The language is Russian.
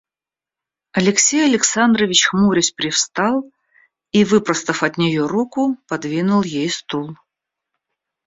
Алексей Александрович хмурясь привстал и, выпростав от нее руку, подвинул ей стул.